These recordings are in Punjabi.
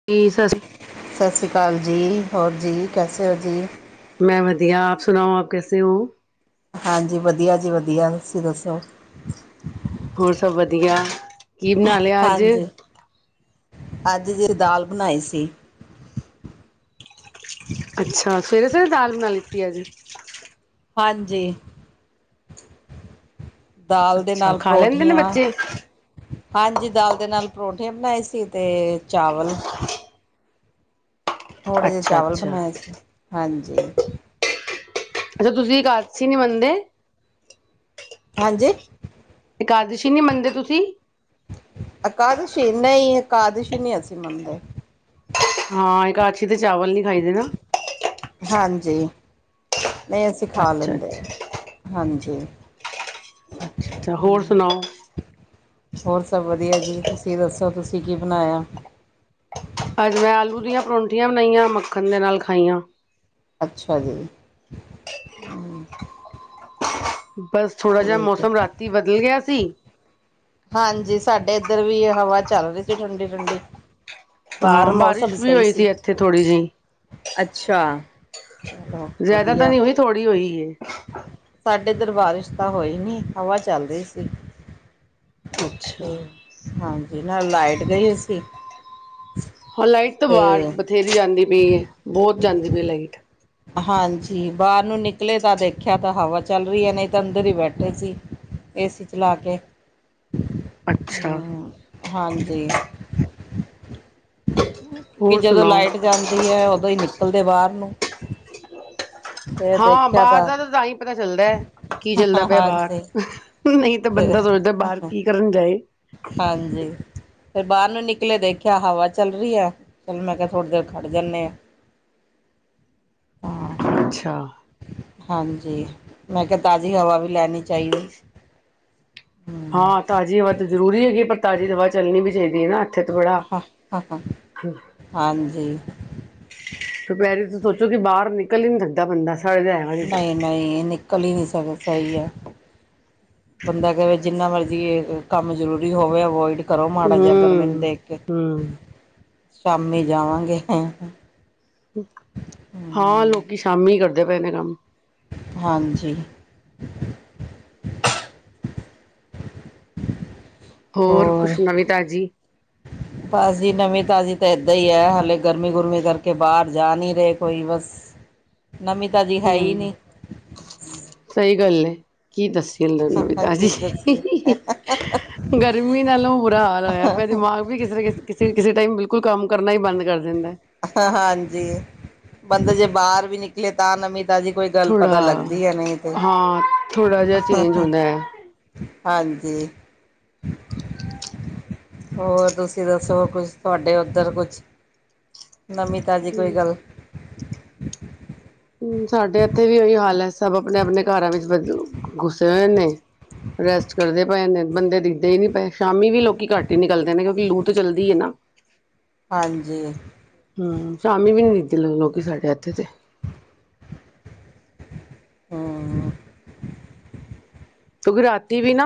[unintelligible] ਸਤਿ ਸ਼੍ਰੀ ਅਕਾਲ ਜੀ, ਹੋਰ ਜੀ ਕੈਸੇ ਹੋ ਜੀ? ਮੈਂ ਵਧੀਆ ਆਪ ਸੁਣਾਓ ਆਪ ਕੈਸੇ ਹੋ? ਹਾਂਜੀ ਵਧੀਆ ਜੀ ਵਧੀਆ ਤੁਸੀਂ ਦੱਸੋ। ਹੋਰ ਸਭ ਵਧੀਆ। ਕੀ ਬਣਾ ਲਿਆ ਅੱਜ? ਹਾਂਜੀ, ਅੱਜ ਜੇੜੀ ਦਾਲ ਬਣਾਈ ਸੀ। ਅੱਛਾ, ਸਵੇਰੇ-ਸਵੇਰੇ ਦਾਲ ਬਣਾ ਲਿਤੀ ਅਜ? ਹਾਂਜੀ। ਦਾਲ ਦੇ ਅੱਛਾ ਨਾਲ ਖਾ ਲੈਂਦੇ ਨੇ ਪਰੌਠੀਆਂ। ਬੱਚੇ ਹਾਂਜੀ ਦਾਲ ਦੇ ਨਾਲ ਪਰੌਠੇ ਬਣਾਏ ਸੀ ਤੇ ਚਾਵਲ ਥੋੜੇ ਜਿਹੇ ਅੱਛਾ ਚਾਵਲ ਅੱਛਾ ਬਣਾਏ ਸੀ, ਹਾਂਜੀ। ਅੱਛਾ ਤੁਸੀਂ ਇਕਾਰਸ਼ੀ ਨੀ ਮੰਨਦੇ? ਹਾਂਜੀ? ਇਕਾਦਸ਼ੀ ਨੀ ਮੰਨਦੇ ਤੁਸੀਂ? ਇਕਾਦਸ਼ੀ? ਨਹੀਂ ਇਕਾਦਸ਼ੀ ਨਹੀਂ ਅਸੀਂ ਮੰਨਦੇ। ਹਾਂ ਇੱਕਾਛਤੀ ਤੇ ਚਾਵਲ ਨੀ ਖਾਈਦੇ। ਹੈਨਾ? ਹਾਂਜੀ, ਨਹੀਂ ਅਸੀਂ ਖਾ ਅੱਛਾ ਅੱਛਾ ਲੈਂਦੇ ਆ ਅੱਛਾ ਹਾਂਜੀ। ਅੱਛਾ ਹੋਰ ਸੁਣਾਓ? ਹੋਰ ਸਭ ਵਧੀਆ ਜੀ। ਤੁਸੀਂ ਦੱਸੋ ਤੁਸੀਂ ਕੀ ਬਣਾਇਆ? ਅੱਜ ਮੈਂ ਆਲੂ ਦੀਆਂ ਪਰੌਂਠੀਆਂ ਬਣਾਈਆਂ। ਮੱਖਣ ਦੇ ਨਾਲ ਖਾਈਆਂ। ਅੱਛਾ ਜੀ। ਬਸ ਥੋੜਾ ਜਿਹਾ ਠੀਕ ਹੈ ਮੌਸਮ ਰਾਤੀ ਬਦਲ ਗਿਆ ਸੀ ਹਾਂਜੀ, ਸਾਡੇ ਇੱਧਰ ਵੀ ਹਵਾ ਚੱਲ ਰਹੀ ਸੀ ਠੰਡੀ-ਠੰਡੀ। ਹਾਂ ਬਾਹਰ ਮੌਸਮ ਬਾਰਿਸ਼ ਵੀ ਸਹੀ ਹੋਈ ਸੀ। ਇੱਥੇ ਥੋੜ੍ਹੀ ਜਿਹੀ ਅੱਛਾ, ਚਲੋ ਜ਼ਿਆਦਾ ਤਾਂ ਵਧੀਆ ਨਹੀਂ ਹੋਈ। ਥੋੜ੍ਹੀ ਹੋਈ ਐ। ਸਾਡੇ ਇੱਧਰ ਬਾਰਿਸ਼ ਤਾਂ ਹੋਈ ਨਹੀਂ, ਹਵਾ ਚੱਲ ਰਹੀ ਸੀ। ਅੱਛਾ ਤੇ ਹਾਂਜੀ ਨਾਲ ਲਾਈਟ ਗਈ ਹੋਈ ਸੀ। ਹਾਂ, ਲਾਈਟ ਤੇ ਬਾਹਰ ਬਥੇਰੀ ਜਾਂਦੀ ਪਈ ਐ। ਬਹੁਤ ਜਾਂਦੀ ਪਈ ਐ ਲਾਈਟ। ਹਾਂਜੀ, ਬਾਹਰ ਨੂੰ ਨਿਕਲੇ ਤਾਂ ਦੇਖਿਆ ਤਾਂ ਹਵਾ ਚੱਲ ਰਹੀ ਐ, ਨਹੀਂ ਤਾਂ ਅੰਦਰ ਹੀ ਬੈਠੇ ਸੀ। ਏਸੀ ਚਲਾ ਕੇ। [inaudible] ਹਾ, ਹਾਂਜੀ। ਕੇ ਹੋਰ ਜਦੋਂ ਸੁਣਾਓ ਲਾਈਟ ਜਾਂਦੀ ਆ ਉਦੋਂ ਈ ਨਿਕਲਦੇ ਆ ਬਾਹਰ ਨੂੰ। ਫੇਰ ਹਾਂ ਦੇਖਿਆ ਬਾਹਰ ਦਾ ਤਾ ਤੇ ਤਾਂ ਹੀ ਪਤਾ ਚੱਲਦਾ, ਕੀ ਚੱਲਦਾ ਪਿਆ ਬਾਹਰ। ਹਾਂਜੀ ਨਹੀਂ ਤੇ ਬੰਦਾ ਸੋਚਦਾ ਬਾਹਰ ਕੀ ਕਰਨ ਗਏ? ਹਾਂਜੀ। ਫਿਰ ਬਾਹਰ ਨੂੰ ਨਿਕਲੇ ਦੇਖਿਆ, ਹਵਾ ਚੱਲ ਰਹੀ ਐ ਚੱਲ ਮੈਂ ਕਿਹਾ ਥੋੜ੍ਹੀ ਦੇਰ ਖੜ ਜਾਂਦੇ ਆਂ। ਅੱਛਾ। ਹਾਂਜੀ, ਮੈਂ ਕਿਹਾ ਤਾਜ਼ੀ ਹਵਾ ਵੀ ਲੈਣੀ ਚਾਹੀਦੀ। ਹਾਂ, ਤਾਜ਼ੀ ਹਵਾ ਤੇ ਜ਼ਰੂਰੀ ਹੈਗੀ ਐ ਪਰ ਤਾਜ਼ੀ ਹਵਾ ਚੱਲਣੀ ਵੀ ਚਾਹੀਦੀ ਐ ਨਾ। ਉਥੇ ਥੋੜਾ ਹਾਂ ਹਾਂ ਹਾਂਜੀ ਦੁਪਹਿਰੀ ਤਾਂ ਸੋਚੋ ਕਿ ਬਾਹਰ ਨਿਕਲ ਈ ਨੀ ਸਕਦਾ ਬੰਦਾ [unintelligible] ਨਹੀਂ ਨਹੀਂ, ਨਿਕਲ ਹੀ ਨਹੀਂ ਸਕਦਾ ਸਹੀ ਏ। ਬੰਦਾ ਕਵੇ ਜਿੰਨਾ ਮਰਜ਼ੀ ਏ ਕੰਮ ਜ਼ਰੂਰੀ ਹੋਵੇ, ਅਵੋਇਡ ਕਰੋ ਮਾੜਾ ਜਿਹਾ ਗਰਮੀ ਨੂੰ ਹਮ ਦੇਖ ਕੇ। ਹਮ ਸ਼ਾਮੀ ਜਾਵਾਂਗੇ। ਹਾਂ, ਲੋਕੀ ਸ਼ਾਮੀ ਕਰਦੇ ਪਏ ਨੇ ਕੰਮ। ਹਾਂਜੀ। ਹੋਰ ਕੁਛ ਨਵੀਂ ਤਾਜ਼ੀ ਬਸ ਜੀ ਨਵੀਂ ਤਾਜ਼ੀ ਤਾਂ ਏਦਾਂ ਹੀ ਐ, ਹਾਲੇ ਗਰਮੀ ਗੁਰਮੀ ਕਰਕੇ ਬਾਹਰ ਜਾ ਨਹੀਂ ਰਹੇ ਕੋਈ ਬਸ। [inaudible] ਨਵੀਂ ਤਾਂਜੀ ਹੈਈ ਹਮ ਨੀ। ਸਹੀ ਗੱਲ ਐ, ਕੀ ਦੱਸੀਏ ਨਵੀਂ ਕੀ ਤਾਾਜ਼ੀ ਦੱਸੀਏ ਗਰਮੀ ਨਾਲੋਂ ਬੁਰਾ ਹਾਲ ਹੋਇਆ ਪਿਆ ਦਿਮਾਗ ਓ ਵੀ ਕਿਸ ਕਿਸੇ-ਕਿਸੇ ਟਾਈਮ ਬਿਲਕੁਲ ਕੰਮ ਕਰਨਾ ਈ ਬੰਦ ਕਰ ਦਿੰਦਾ। ਹਾਂਜੀ ਬੰਦੇ ਜੇ ਬਾਹਰ ਵੀ ਨਿਕਲੇ ਤਾਂ ਨਮੀ ਤਾਜੀ ਕੋਈ ਗੱਲ ਥੋੜਾ ਪਤਾ ਲੱਗਦੀ ਐ ਨਹੀਂ ਤੇ। ਹਾਂ ਥੋੜਾ ਜਿਹਾ ਚੇਂਜ ਹੁੰਦਾ ਹੈ ਹਾਂਜੀ। ਹੋਰ ਤੁਸੀਂ ਦੱਸੋ, ਕੁਛ ਤੁਹਾਡੇ ਉੱਧਰ ਕੁਛ ਨਵੀ ਤਾਜ਼ੀ ਕੋਈ ਗੱਲ? ਸਾਡੇ ਇੱਥੇ ਵੀ ਉਹੀ ਹਾਲ ਐ ਸਭ ਆਪਣੇ ਆਪਣੇ ਘਰਾਂ ਵਿੱਚ ਗੁੱਸੇ ਹੋਏ ਨੇ। ਰੈਸਟ ਕਰਦੇ ਪਏ ਨੇ ਬੰਦੇ ਦਿਖਦੇ ਹੀ ਨੀ ਪਏ ਸ਼ਾਮੀ ਵੀ ਲੋਕੀ ਘੱਟ ਹੀ ਨਿਕਲਦੇ ਨੇ ਕਿਉਂਕਿ ਲੂ ਤਾਂ ਚੱਲਦੀ ਹੈ ਨਾ। [inaudible] ਹਾਂਜੀ, ਹੂੰ, ਸ਼ਾਮੀ ਵੀ ਨੀ ਦੀਦੀ ਲੋਕੀ ਸਾਡੇ ਇੱਥੇ ਤੇ ਹਾਂ, ਕਿਉਂਕਿ ਰਾਤੀ ਵੀ ਨਾ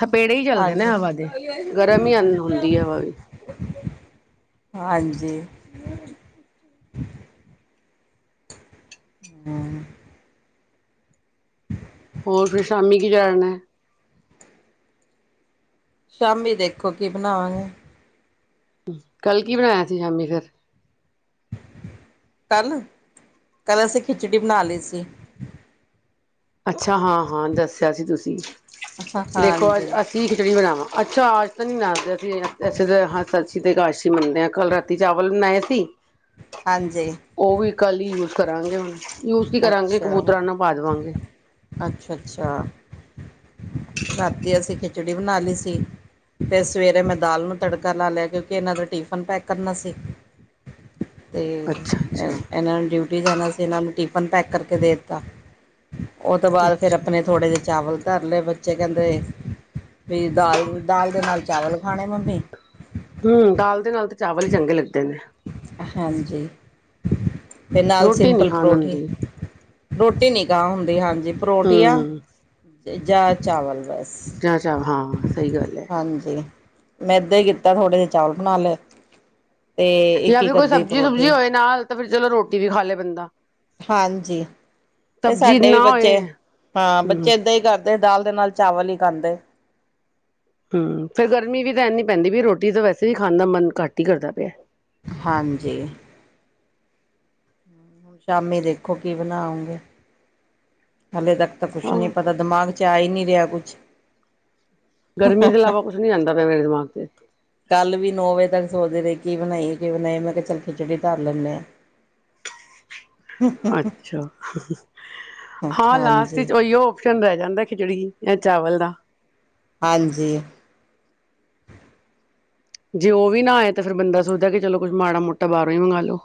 ਥਪੇੜੇ ਹੀ ਚੱਲਦੇ ਨੇ, ਹਾਂਜੀ ਹਵਾ ਦੇ ਗਰਮ ਹੀ ਹੁੰਦੀ ਹੈ ਹਵਾ ਵੀ ਹਾਂਜੀ, ਹੂੰ, ਹੋਰ ਫਰ ਸ਼ਾਮੀ ਕੀ ਜਾਣਨਾ। ਸ਼ਾਮੀ ਦੇਖੋ ਕੀ ਬਣਾਵਾਂਗੇ। ਕੱਲ ਕੀ ਬਣਾਇਆ ਸੀ ਸ਼ਾਮੀ ਫਿਰ ਕੱਲ, ਕੱਲ੍ਹ ਅਸੀਂ ਖਿਚੜੀ ਬਣਾ ਲਈ ਸੀ। ਅੱਛਾ ਹਾਂ-ਹਾਂ, ਦੱਸਿਆ ਸੀ ਤੁਸੀਂ ਦੇਖੋ ਹਾਂਜੀ ਅੱਜ-ਅ ਕੀ ਖਿਚੜੀ ਬਣਾਵਾਂ। ਅੱਛਾ ਅੱਜ ਤਾਂ ਨਹੀਂ ਬਣਾਦੇ ਅਸੀਂ ਤੇ ਹਾਂ ਅਸੀਂ ਤੇ ਇੱਕਾਰਸੀ ਮੰਨਦੇ ਆ। ਕੱਲ ਰਾਤ ਰਾਤੀ ਚਾਵਲ ਬਣਾਏ ਸੀ। ਹਾਂਜੀ। ਉਹ ਵੀ ਕੱਲ ਹੀ ਯੂਜ ਕਰਾਂਗੇ ਹੁਣ ਯੂਜ ਹੀ ਕਰਾਂਗੇ ਅੱਛਾ ਕਬੂਤਰਾਂ ਨੂੰ ਪਾ ਦੇਵਾਂਗੇ। ਅੱਛਾ ਅੱਛਾ, ਰਾਤੀ ਅਸੀਂ ਖਿਚੜੀ ਬਣਾ ਲਈ ਸੀ। ਫਿਰ ਸਵੇਰੇ ਮੈਂ ਦਾਲ ਨੂੰ ਤੜਕਾ ਲਾ ਲਿਆ ਕਿਉਂਕਿ ਇਹਨਾਂ ਦਾ ਟਿਫਨ ਪੈਕ ਕਰਨਾ ਸੀ। ਤੇ ਅੱਛਾ ਅੱਛਾ ਇਹਨਾਂ ਨੂੰ ਡਿਊਟੀ ਜਾਣਾ ਸੀ ਇਹਨਾਂ ਨੂੰ ਟਿਫਨ ਪੈਕ ਕਰਕੇ ਦੇ ਦਿੱਤਾ। ਉਹ ਤੋਂ ਬਾਅਦ ਫਿਰ ਅੱਛਾ ਆਪਣੇ ਥੋੜ੍ਹੇ ਜਿਹੇ ਚਾਵਲ ਧਰ ਲਏ ਬੱਚੇ ਕਹਿੰਦੇ ਵੀ ਦਾਲ-ਦਾਲ ਦੇ ਨਾਲ ਚਾਵਲ ਖਾਣੇ ਮੰਮੀ ਹੂੰ, ਦਾਲ ਦੇ ਨਾਲ ਤੇ ਚਾਵਲ ਹੀ ਚੰਗੇ ਲੱਗਦੇ ਨੇ। ਹਾਂਜੀ ਅਤੇ ਨਾਲ ਰੋਟੀ ਨੀ ਸਿੰਪਲ ਖਾਣ ਪਰੌਠੀ ਹੁੰਦੀ ਰੋਟੀ ਨਹੀਂ ਖਾਹ ਹੁੰਦੀ ਹਾਂਜੀ, ਪਰੌਠੀਆ ਹਮ ਜਾਂ ਚਾਵਲ ਬਸ ਜਾਂ ਚ ਹਾਂ ਸਹੀ ਗੱਲ ਹੈ। ਹਾਂਜੀ, ਮੈਂ ਏਦਾਂ ਹੀ ਕੀਤਾ ਥੋੜੇ ਜਿਹੇ ਚਾਲ ਬਣਾ ਲਏ ਤੇ ਇੱਕ ਜਾਂ ਫਿਰ ਇੱਕ ਕੋਈ ਅੱਧੀ ਸਬਜ਼ੀ ਸੁਬਜ਼ੀ ਪਰੌਠੀ ਹੋਏ, ਨਾਲ ਤਾਂ ਫਿਰ ਚਲੋ ਰੋਟੀ ਵੀ ਖਾ ਲੈ ਬੰਦਾ ਹਾਂਜੀ, ਤੇ ਸਬਜ਼ੀ ਸਾਡੇ ਵੀ ਨਾ ਬੱਚੇ ਹੋਏ ਹਾਂ ਬੱਚੇ ਹੂੰ ਏਦਾਂ ਹੀ ਕਰਦੇ। ਤੇ ਦਾਲ ਦੇ ਨਾਲ ਚਾਵਲ ਹੀ ਖਾਂਦੇ। ਹੂੰ ਫਿਰ ਗਰਮੀ ਵੀ ਤਾਂ ਇਨੀ ਪੈਂਦੀ ਵੀ ਰੋਟੀ ਤਾਂ ਵੈਸੇ, ਵੀ ਖਾਣ ਦਾ ਮਨ ਘੱਟ ਹੀ ਕਰਦਾ ਪਿਆ। ਹਾਂਜੀ, ਹੁਣ ਸ਼ਾਮੀ ਦੇਖੋ ਕੀ ਬਣਾਉਗੇ? ਹਾਲੇ ਤੱਕ ਤਾਂ ਕੁਛ ਹਾਂ ਨਹੀਂ ਪਤਾ ਦਿਮਾਗ ਆ ਹੀ ਨਹੀਂ ਰਿਹਾ ਕੁਛ ਗਰਮੀ ਦੇ ਇਲਾਵਾ ਕੁਛ ਨੀ ਆ ਜਾਂਦਾ, ਪਿਆ ਮੇਰੇ ਦਿਮਾਗ ਚ ਕੱਲ ਵੀ ਨੌ ਵਜੇ ਤੱਕ ਸੋਚਦੇ ਰਹੇ ਕੀ ਬਣਾਈਏ, ਕਿ ਬਣਾਈ ਮੈਂ ਕਿਹਾ ਚੱਲ ਖਿਚੜੀ ਧਰ ਲੈਂਦੇ ਆ। ਅੱਛਾ, ਹਾਂ ਲਾਸਟ ਹਾਂਜੀ ਚ ਉਹੀਓ ਰਹਿ ਜਾਂਦਾ ਖਿਚੜੀ ਇਹ ਚਾਵਲ ਦਾ। ਹਾਂਜੀ, ਜੇ ਉਹ ਵੀ ਨਾ ਆਏ, ਤਾਂ ਫਿਰ ਬੰਦਾ ਸੋਚਦਾ ਕਿ ਚਲੋ ਕੁਛ ਮਾੜਾ ਮੋਟਾ ਬਾਹਰੋਂ ਹੀ ਮੰਗਾ ਲ ਲੋ।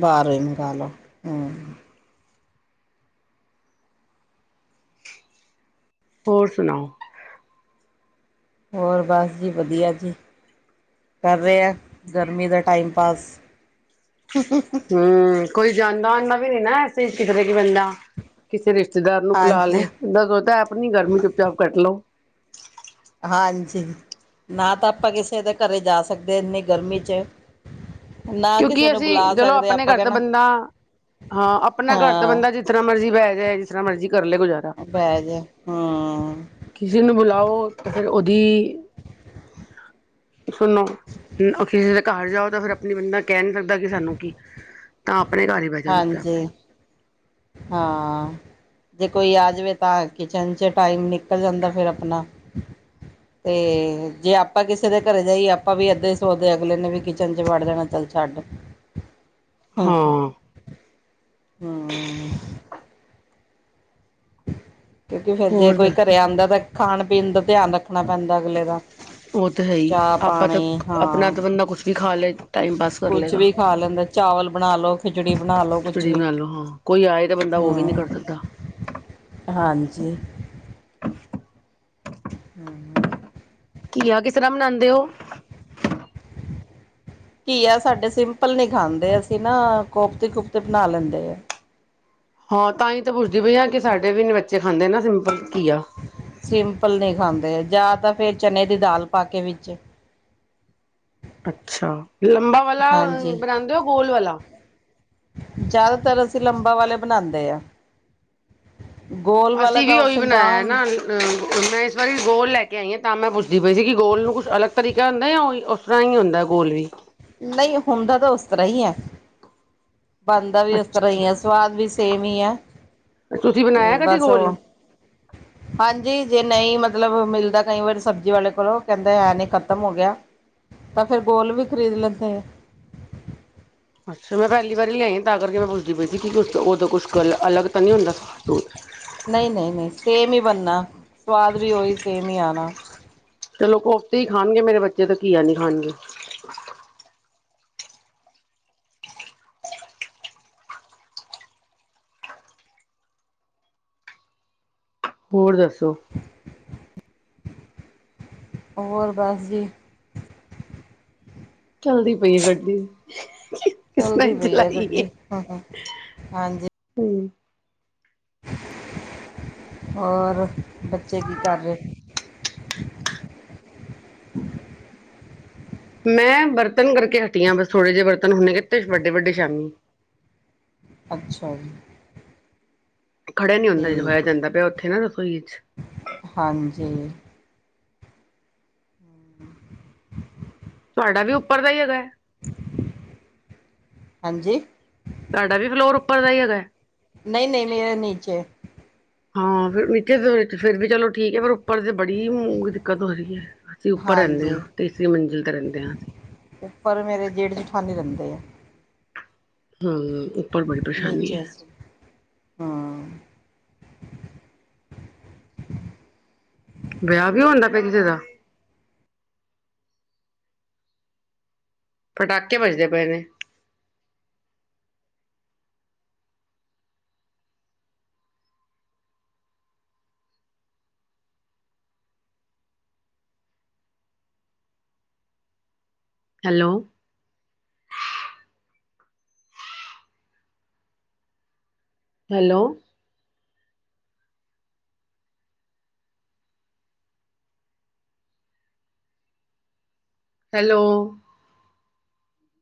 ਬਾਰੇ [unintelligible] ਲਓ ਹੂੰ, ਹੋਰ ਸੁਣਾਓ? ਹੋਰ ਬਸ ਜੀ ਵਧੀਆ ਜੀ ਕਰ ਰਿਹਾ। ਗਰਮੀ ਦਾ ਟਾਈਮ ਪਾਸ, ਹੂੰ, ਕੋਈ ਜਾਂਦਾ ਆਦਾ ਵੀ ਨੀ ਨਾ ਕਿਸਤੇ ਕਿ ਬੰਦਾ, ਕਿਸੇ ਰਿਸ਼ਤੇਦਾਰ ਨੂੰ ਬੁਲਾ ਹਾਂਜੀ ਲੈਦਾ ਬੰਦਾ ਸੋਚਤਾ ਆਪਣੀ ਗਰਮੀ ਚੁੱਪ ਚਾਪ ਕੱਟ ਲਓ। ਹਾਂਜੀ ਨਾ ਤਾਂ ਆਪਾਂ ਕਿਸੇ ਦੇ ਘਰ ਜਾ ਸਕਦੇ ਹਾਂ ਇੰਨੀ ਗਰਮੀ 'ਚ, ਨਾ ਕਿਸੇ ਕਿਉਂਕਿ ਨੂੰ ਅਸੀਂ ਬੁਲਾ ਜਲੋਂ ਸਕਦੇ ਆਪਣੇ ਆਪਾਂ ਘਰ ਦਾ ਕਹਿਣਾ ਬੰਦਾ, ਹਾਂ ਆਪਣਾ ਘਰ ਤਾਂ ਹਾਂ ਬੰਦਾ ਜਿਸਤਰ ਮਰਜ਼ੀ ਬਹਿ ਜਾਏ, ਜਿਸ ਤਰਾ ਮਰਜ਼ੀ ਕਰ ਲੈ ਗੁਜ਼ਾਰ ਪੈ ਗਿਆ ਹਾਂ, ਕਿਸੇ ਨੂੰ ਬੁਲਾਓ, ਤੇ ਫਿਰ ਉਹਦੀ ਸੁਣੋ ਹੋਰ ਅਖੀ ਦੇ ਘਰ ਜਾਓ, ਤਾਂ ਫਿਰ ਆਪਣੀ ਬੰਦਾ, ਕਹਿ ਨੀ ਸਕਦਾ ਕਿ, ਸਾਨੂੰ ਕੀ ਤਾਂ ਆਪਣੇ ਘਰ ਬਹਿ ਜਾ ਚੁੱਪ ਚਾਪ ਹਾਂਜੀ ਹਾਂ ਜੇ ਕੋਈ ਆ ਜਾਵੇ ਤਾਂ ਕਿਚਨ 'ਚ ਟਾਈਮ ਨਿਕਲ ਜਾਂਦਾ ਫਿਰ ਆਪਣਾ ਅਤੇ ਜੇ ਆਪਾਂ ਕਿਸੇ ਦੇ ਘਰੇ ਜਾਈਏ ਆਪਾਂ ਵੀ ਅੱਧੇ ਸੋਚਦੇ ਆਂ। ਅਗਲੇ ਨੇ ਵੀ ਕਿਚਨ ' ਵੜ ਜਾਣਾ ਚੱਲ ਛੱਡ [unintelligible] ਹਾਂ, ਹਾਂ, ਹਾਂ, ਕਿਉਂਕਿ ਫੇਰ ਜੇ ਹੋਰ ਕੋਈ ਦੱਸ ਘਰੇ ਆਦਾ ਤਾਂ ਖਾਣ-ਪੀਣ ਦਾ ਧਿਆਨ ਰੱਖਣਾ ਪੈਂਦਾ ਅਗਲੇ ਦਾ, ਉਹ ਤੇ ਹੈ ਹੀ, ਚਾਹ ਆਪਾਂ ਤਾਂ ਪਾਣੀ ਆਪਣਾ ਹਾਂ ਤਾਂ ਬੰਦਾ ਨਾ ਕੁਛ ਵੀ ਖਾ ਲੈ ਟਾਈਮ ਪਾਸ, ਕਰ ਕੁਛ ਲਗਾ ਵੀ ਖਾ ਲੈਂਦਾ ਚਾਵਲ ਬਣਾ ਲੋ ਖਿਚੜੀ ਬਣਾ ਲੋ ਕੁਛ ਚੜੀ ਵੀ ਲਓ ਹਾਂ ਕੋਈ ਆਏ ਤੇ ਬੰਦਾ ਉਹ ਵੀ ਨੀ ਹਮ ਕਰ, ਸਿੱਧਾ, ਹਾਂਜੀ, ਹੂੰ, ਹਾਂ, ਹਾਂ, ਘਿਆ ਕਿਸ ਤਰ੍ਹਾਂ ਬਨਾਉਂਦੇ ਹੋ? [unintelligible] ਘੀਆ ਸਾਡੇ ਸਿੰਪਲ ਨਹੀਂ ਖਾਂਦੇ ਅਸੀਂ ਨਾ ਕੋਫਤੇ ਕੋਫਤੇ ਬਣਾ ਲੈਂਦੇ ਆ। ਹਾਂ ਤਾਂ ਹੀ ਤਾਂ ਪੁੱਛਦੀ ਪਈ ਹਾਂ ਕਿ ਸਾਡੇ ਵੀ ਬੱਚੇ ਖਾਂਦੇ ਨਾ ਸਿੰਪਲ ਘੀਆ। ਸਿੰਪਲ ਨਹੀਂ ਖਾਂਦੇ ਜਾਂ ਤਾਂ ਫੇਿਰ ਚਨੇ ਦੀ ਦਾਲ ਪਾ ਕੇ ਵਿੱਚ ਅੱਛਾ ਲੰਬਾ ਵਾਲਾ ਹਾਂਜੀ ਬਣਾਉਂਦੇ ਹੋ ਗੋਲ ਵਾਲਾ ਜ਼ਿਆਦਾਤਰ ਅਸੀਂ ਲੰਬਾ ਵਾਲੇ ਬਣਾਉਦੇ ਆ। ਗੋਲ ਵਾਲਾ ਅਸੀਂ ਤਾਂ ਵੀ ਉਹੀ ਔਪਸ਼ਨ ਤਾਂ ਬਣਾਇਆ ਹੈ ਨਾ ਮੈਂ ਇਸ ਵਾਰੀ ਗੋਲ ਲੈ ਕੇ ਆਈ ਹਾਂ ਤਾਂ ਮੈਂ ਪੁੱਛਦੀ ਪਈ ਸੀ ਕਿ ਗੋਲ ਨੂੰ ਕੁਛ ਅਲੱਗ ਤਰੀਕਾ ਹੁੰਦਾ ਜਾਂ ਉਹ ਉਸ ਤਾਂ ਹੀ ਹੁੰਦਾ ਗੋਲ ਵੀ ਨਹੀਂ ਹੁੰਣਦਾ ਤਾਂ ਉਸ ਤਰ੍ਹਾਂ ਹੀ ਹੈ ਬਣਦਾ ਵੀ ਉਸ ਤਰ੍ਹਾਂ ਅੱਛਾ ਹੀ ਆ ਸਵਾਦ ਵੀ ਸੇਮ ਹੀ ਆ ਤੁਸੀਂ ਤੇ ਬਣਾਇਆ ਕਦੀ ਬਸ ਗੋਲ ਉਹ ਹਾਂਜੀ ਜੇ ਨਹੀਂ ਮਤਲਬ ਮਿਲਦਾ ਕਈ ਵਾਰੀ ਸਬਜ਼ੀ ਵਾਲੇ ਕੋਲੋਂ ਕਹਿੰਦੇ ਐ ਨਹੀਂ ਖ਼ਤਮ ਹੋ ਗਿਆ। ਤਾਂ ਫੇਿਰ ਗੋਲ ਵੀ ਖਰੀਦ ਲੈਂਦੇ ਆ ਅੱਛਾ ਮੈਂ ਪਹਿਲੀ ਵਾਰੀ ਲਿਆਈ ਤਾਂ ਕਰਕੇ ਮੈਂ ਪੁੱਛਦੀ ਪਈ ਸੀ ਕਿ ਕੁ ਉਹਦਾ ਕੁਛ ਗ ਅਲਗ ਤਾਂ ਨਹੀਂ ਹੁੰਦਾ। ਨਹੀਂ ਨਹੀਂ ਨਹੀਂ ਸੇਮ ਹੀ ਬਣਨਾ ਸਵਾਦ ਵੀ ਉਹੀ ਸੇਮ ਹੀ ਆਉਣਾ ਚਲੋ ਕੋਫਤੇ ਹੀ ਖਾਣਗੇ ਮੇਰੇ ਬੱਚੇ ਤਾਂ ਆ ਘੀਆ ਨੀ ਖਾਣਗੇ ਹੋਰ ਦੱਸੋ। ਹੋਰ ਬਸ ਜੀ। ਚੱਲਦੀ ਪਈ ਹੈ ਗੱਡੀ ਕਿਸ ਤਰ੍ਹਾਂ ਚਲਦੀ ਪਈ ਚਲਾਈ ਹੈ ਗੱਡੀ ਹਾਂਜੀ ਹਮ ਹੋਰ ਬੱਚੇ ਕੀ ਕਰ ਰਹੇ। ਹੂੰ,,, ਮੈਂ ਬਰਤਨ ਕਰਕੇ ਹਟੀ ਆ ਬਸ ਥੋੜੇ ਜਿਹੇ ਬਰਤਨ ਹੁੰਣੇ ਕਿ ਵੱਡੇ ਵੱਡੇ ਸ਼ਾਮੀ ਅੱਛਾ ਜੀ। ਖੜਿਆ ਨੀ ਹੁੰਦਾ ਹੋਇਆ ਠੀਕ ਹੈ ਜਾਂਦਾ ਪਿਆ ਉੱਥੇ ਨਾ ਰਸੋਈ ਚ ਹਾਂਜੀ ਹਮ ਤੁਹਾਡਾ ਵੀ ਉੱਪਰ ਦਾ ਹੀ ਹੈਗਾ ਹੈ ਹਾਂਜੀ ਤੁਹਾਡਾ ਵੀ ਫਲੋਰ ਉੱਪਰ ਦਾ ਹੀ ਹੈਗਾ ਹੈ। ਨਹੀਂ ਨਹੀਂ ਮੇਰਾ ਨੀਚੇ। ਹਾਂ ਫਿਰ ਨੀਚੇ ਫਿਰ ਵੀ ਚਲੋ ਠੀਕ ਹੈ ਪਰ ਉੱਪਰ ਤੇ ਬੜੀ ਦਿੱਕਤ ਹੋ ਰਹੀ ਹੈ। ਅਸੀ ਉੱਪਰ ਰਹਿੰਦੇ ਹਾਂ ਹਾਂਜੀ ਤੇ ਤੀਜੀ ਮੰਜ਼ਿਲ ਤੇ ਰਹਿੰਦੇ ਹਾਂਜੀ। ਉੱਪਰ ਮੇਰੇ ਜੇਠ ਜਠਾਨੀ ਰਹਿੰਦੇ ਆ। ਹੂੰ। ਨੇਚਰ ਸੀ ਹਾਂ। ਵਿਆਹ ਵਿਊ ਹੁੰਦਾ ਪਿਆ ਕਿਸੇ ਦਾ? ਪਟਾਕੇ ਵਜਦੇ ਪਏ ਨੇ। ਹੈਲੋ। ਹੈਲੋ। ਹੈਲੋ